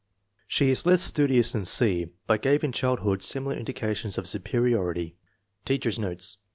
She is less studious than C. but gave in childhood similar indications of superiority. Teacher's notes.